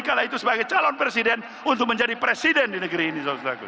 kala itu sebagai calon presiden untuk menjadi presiden di negeri ini